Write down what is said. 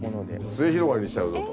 末広がりにしちゃうぞと。